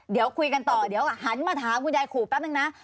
เดี๋ยวคุยกันต่อเดี๋ยวหันมาถามคุณยายขู่แป๊บนึงนะ